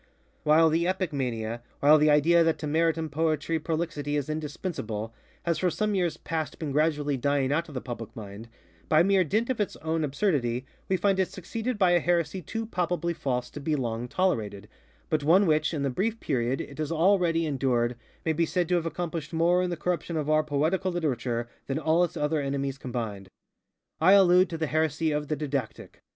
While the epic mania, while the idea that to merit in poetry prolixity is indispensable, has for some years past been gradually dying out of the public mind, by mere dint of its own absurdity, we find it succeeded by a heresy too palpably false to be long tolerated, but one which, in the brief period it has already endured, may be said to have accomplished more in the corruption of our Poetical Literature than all its other enemies combined. I allude to the heresy of _The Didactic.